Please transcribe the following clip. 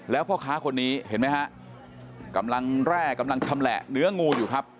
แล้วพ่อค้าคนนี้เห็นไหมฮะกำลังแร่กำลังชำแหละเนื้องูอยู่ครับ